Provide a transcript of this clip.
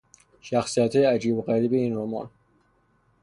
شخصیتهای عجیب و غریب این رمان